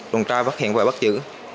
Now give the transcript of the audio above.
đồng trai phát hiện và bắt giữ